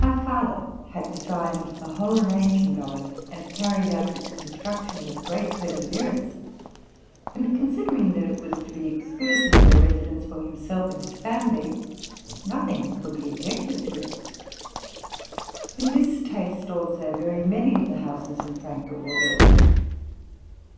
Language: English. My father had designed the whole arrangement of it, and carried out its construction with great perseverance ; and, considering that it was to be exclu sively a residence for himself and his family, nothing could he objected to it: in this taste, also, very many of the houses in Frankfort were built.